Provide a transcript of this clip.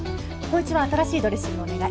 紘一は新しいドレッシングお願い。